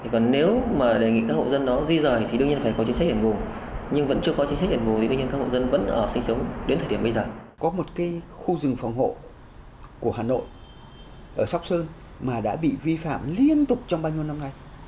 có một cái khu rừng phòng hộ của hà nội ở sóc sơn mà đã bị vi phạm liên tục trong bao nhiêu năm nay